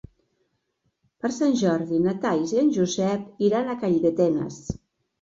Per Sant Jordi na Thaís i en Josep iran a Calldetenes.